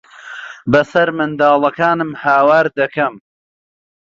بەسەر منداڵەکانم ھاوار دەکەم.